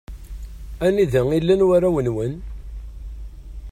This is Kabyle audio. Anda i llan warraw-nwen?